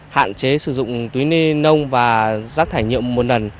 hạn chế sử dụng túi nông và rác thải nhiệm một lần